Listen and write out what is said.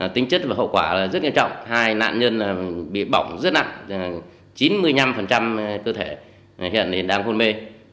tính chất và hậu quả là rất nghiêm trọng hai nạn nhân bị bỏng rất nặng chín mươi năm cơ thể hiện đang hôn mê